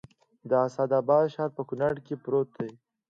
د اسداباد ښار په کونړ کې پروت دی